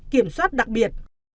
kiểm soát đặc biệt